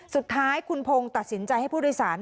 สุดท้ายคุณพงศ์ตัดสินใจให้ผู้โดยสาร